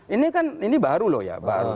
ini kan ini baru loh ya